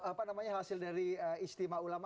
apa namanya hasil dari istimewa ulama